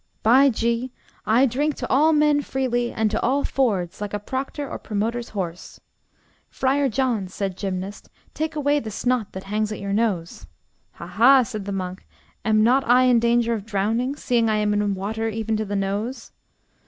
By G , I drink to all men freely, and at all fords, like a proctor or promoter's horse. Friar John, said Gymnast, take away the snot that hangs at your nose. Ha, ha, said the monk, am not I in danger of drowning, seeing I am in water even to the nose?